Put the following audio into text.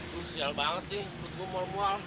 lu sial banget sih buat gue mual mual